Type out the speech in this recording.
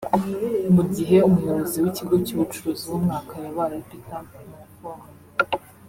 mu gihe umuyobozi w’ikigo cy’ubucuruzi w’umwaka yabaye Peter Mountford